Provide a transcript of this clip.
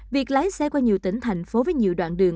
việc lái xe qua nhiều tỉnh thành phố với nhiều đoạn đường